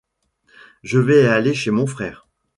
Je vais aller chez mon frère.